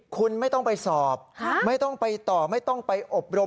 คุณไม่ต้องไปสอบไม่ต้องไปต่อไม่ต้องไปอบรม